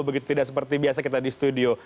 begitu tidak seperti biasa kita di studio